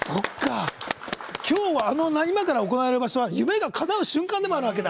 今から行われる場所は夢がかなう瞬間でもあるんだ。